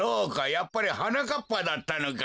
やっぱりはなかっぱだったのか。